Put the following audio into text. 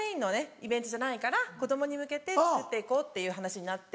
イベントじゃないから子供に向けて作って行こうっていう話になって。